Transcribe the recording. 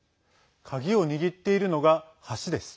鍵を握っているのが橋です。